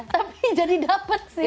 tapi jadi dapet sih